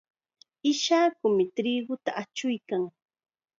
Ishaku triquta achuykan.